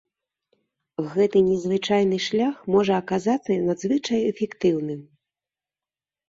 Гэты незвычайны шлях можа аказацца надзвычай эфектыўным.